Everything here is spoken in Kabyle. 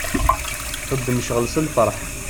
Txeddem ccɣel s lferḥ.